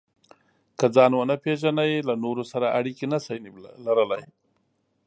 که ځان ونه پېژنئ، له نورو سره اړیکې نشئ لرلای.